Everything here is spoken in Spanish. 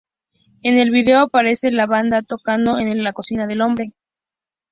En el vídeo aparece la banda tocando en la cocina del hombre.